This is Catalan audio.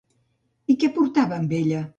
I què portava amb ella?